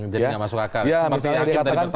jadi tidak masuk akal